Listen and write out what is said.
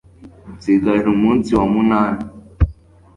nsigaje umunsi wa munani